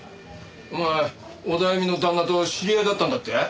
お前オダエミの旦那と知り合いだったんだって？